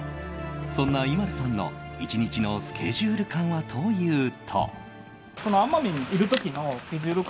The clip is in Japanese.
そんなＩＭＡＬＵさんの、１日のスケジュール感はというと。